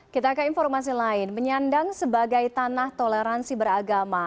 kita ke informasi lain menyandang sebagai tanah toleransi beragama